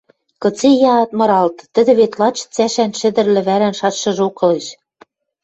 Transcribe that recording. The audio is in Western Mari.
Кыце йӓ ат мыралты: тӹдӹ вет лач цӓшӓн шӹдӹр лӹвӓлӓн шачшыжок ылеш.